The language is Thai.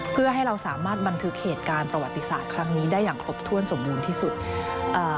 เพื่อให้เราสามารถบันทึกเหตุการณ์ประวัติศาสตร์ครั้งนี้ได้อย่างครบถ้วนสมบูรณ์ที่สุดเอ่อ